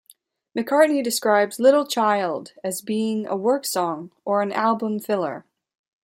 McCartney describes "Little Child" as being a "work song", or an "album filler".